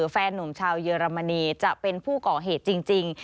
แฟนนุ่มชาวเยอรมนีจะเป็นผู้ก่อเหตุจริง